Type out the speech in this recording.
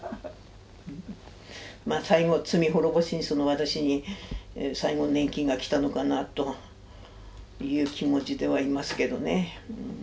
最後罪滅ぼしに私に最後の年金がきたのかなという気持ちではいますけどね。